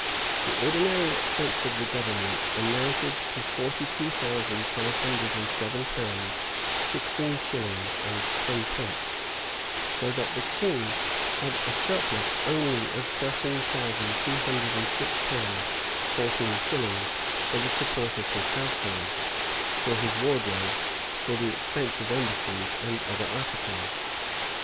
The ordinary expense of the government amounted to forty two thousand five hundred and seven pounds sixteen shillings and tenpence; so that the king had a surplus only of thirteen thousand two hundred and six pounds fourteen shillings for the support of his household; for his wardrobe; for the expense of embassies; and other articles.